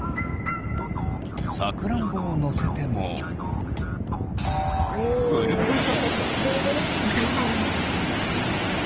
さくらんぼをのせてもプルップル！